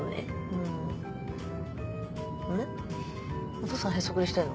お父さんへそくりしてんの？